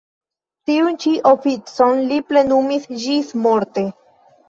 Tiun ĉi oficon li plenumis ĝismorte.